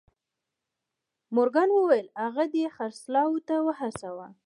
مورګان وویل که هغه دې خرڅلاو ته وهڅاوه